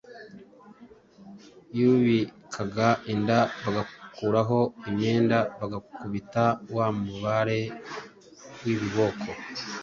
Yubikaga inda bagakuraho umwenda bagakubita wa mubare w’ibiboko.